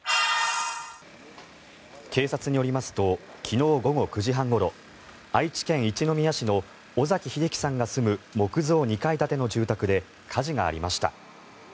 警察によりますと昨日午後９時半ごろ愛知県一宮市の尾碕秀樹さんが住む木造２階建ての住宅で火事がありました。